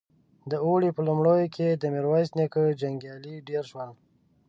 د اوړي په لومړيو کې د ميرويس نيکه جنګيالي ډېر شول.